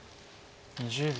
２０秒。